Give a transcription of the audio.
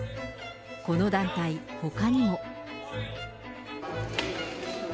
この団体、ほかにも。